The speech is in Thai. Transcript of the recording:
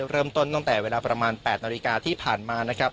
ตั้งแต่เวลาประมาณ๘นาฬิกาที่ผ่านมานะครับ